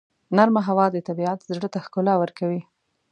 نرمه هوا د طبیعت زړه ته ښکلا ورکوي.